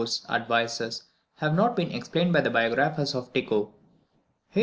's advisers have not been explained by the biographers of Tycho.